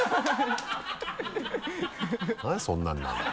何でそんなになるの？